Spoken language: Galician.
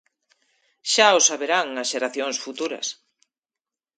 Xa o saberán as xeracións futuras.